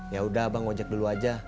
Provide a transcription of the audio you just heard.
yaudah bang ngajak dulu aja